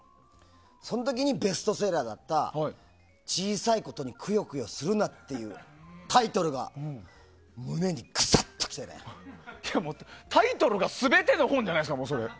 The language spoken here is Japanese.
その時にベストセラーだった「小さいことにくよくよするな」っていうタイトルが全ての本じゃないですか。